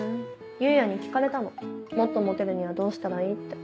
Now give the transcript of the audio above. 裕也に聞かれたのもっとモテるにはどうしたらいい？って。